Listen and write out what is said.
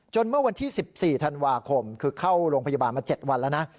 เมื่อวันที่๑๔ธันวาคมคือเข้าโรงพยาบาลมา๗วันแล้วนะ